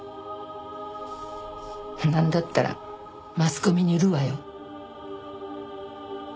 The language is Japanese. なんだったらマスコミに売るわよ。